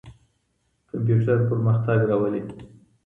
کمپيوټر پرمختګ راولي.